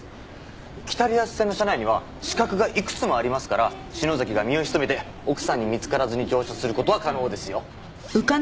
北リアス線の車内には死角がいくつもありますから篠崎が身を潜めて奥さんに見付からずに乗車する事は可能ですよ。